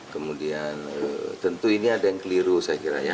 kemudian tentu ini ada yang keliru saya kira ya